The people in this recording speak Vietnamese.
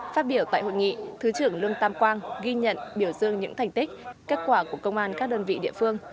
phát biểu tại hội nghị thứ trưởng lương tam quang ghi nhận biểu dương những thành tích kết quả của công an các đơn vị địa phương